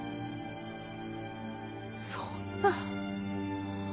そんな。